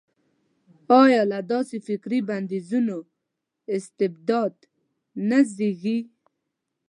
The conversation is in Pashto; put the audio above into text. ایا له داسې فکري بندیزونو استبداد نه زېږي.